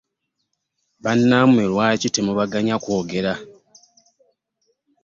Bannammwe lwaki temubaganya kwogera?